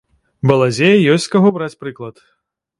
Балазе, ёсць з каго браць прыклад.